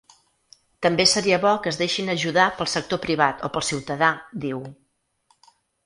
També seria bo que es deixin ajudar pel sector privat o pel ciutadà, diu.